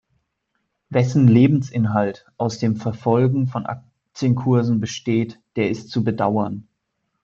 Wessen Lebensinhalt aus dem Verfolgen von Aktienkursen besteht, der ist zu bedauern.